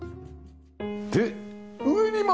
で上に窓！